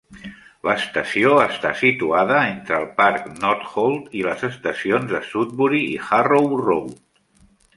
L'estació està situada entre el Parc Northolt i les estacions de Sudbury i Harrow Road.